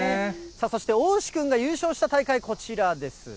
そしておうし君が優勝した大会、こちらです。